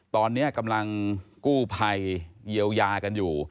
ตอนนี้กำลังกู้ภัยเยียวยากันอยู่